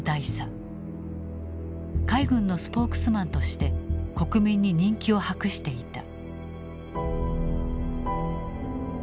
海軍のスポークスマンとして国民に人気を博していた。